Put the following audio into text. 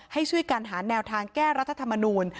ให้ช่วยกันหาแนวทางแก้รัฐธรรมนูล